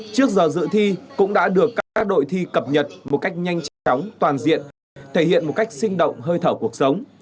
trước giờ dự thi cũng đã được các đội thi cập nhật một cách nhanh chóng toàn diện thể hiện một cách sinh động hơi thở cuộc sống